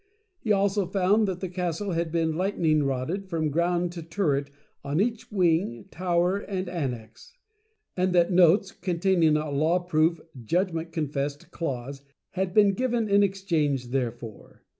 He also found that the Castle had been Lightning Rodded from ground to turret, on each wing, tower, and annex; and that Notes, containing a law proof, judgment confessed clause, had been given in exchange therefor.